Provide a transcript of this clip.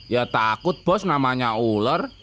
ya takut bos namanya ular